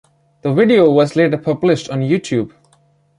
The video was later published on YouTube.